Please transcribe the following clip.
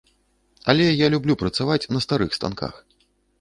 Але я люблю працаваць на старых станках.